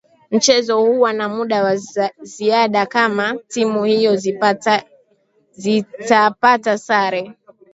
mchezo huwa na muda wa ziada kama timu hizo zitapata sare